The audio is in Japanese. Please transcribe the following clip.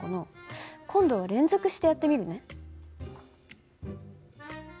今度は連続してやってみるね。